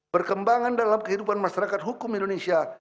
perkembangan dalam kehidupan masyarakat hukum indonesia